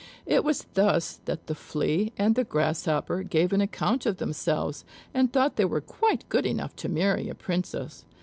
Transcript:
It was thus that the Flea and the Grasshopper gave an account of themselves, and thought they were quite good enough to marry a Princess.